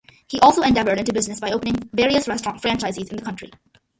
He also endeavored into business by opening various restaurant franchises in the country.